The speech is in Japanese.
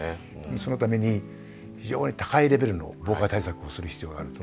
そのために非常に高いレベルの防火対策をする必要があると。